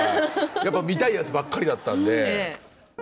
やっぱ見たいやつばっかりだったんで。